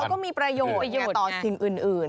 แต่เขาก็มีประโยชน์ต่อสิ่งอื่น